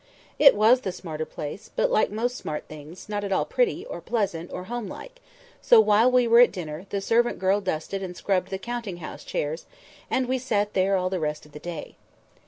It was the smarter place, but, like most smart things, not at all pretty, or pleasant, or home like; so, while we were at dinner, the servant girl dusted and scrubbed the counting house chairs, and we sat there all the rest of the day.